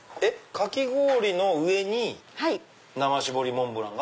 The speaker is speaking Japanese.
かき氷の上に生絞りモンブラン？